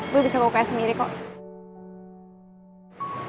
gue bisa ke uks sendiri kok